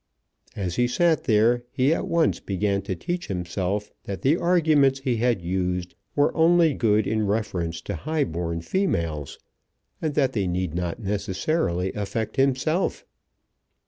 As he sat there he at once began to teach himself that the arguments he had used were only good in reference to high born females, and that they need not necessarily affect himself.